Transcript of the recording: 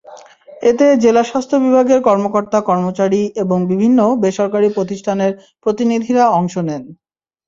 এতে জেলা স্বাস্থ্য বিভাগের কর্মকর্তা-কর্মচারী এবং বিভিন্ন বেসরকারি প্রতিষ্ঠানের প্রতিনিধিরা অংশ নেন।